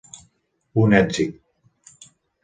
Un èxit.